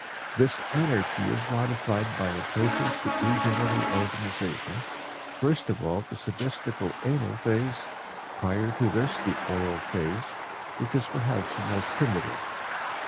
This anarchy is modified by approaches to pre genital organization, first of all the sadistico anal phase, prior to this the oral phase, which is perhaps the most primitive.